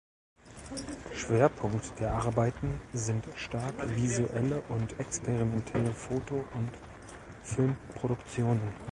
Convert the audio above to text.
Schwerpunkt der Arbeiten sind stark visuelle und experimentelle Foto- und Filmproduktionen.